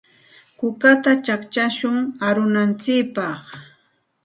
Kukata chaqchashun arunantsikpaq.